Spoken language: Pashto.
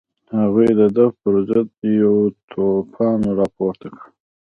هغوی د ده په ضد یو توپان راپورته کړ.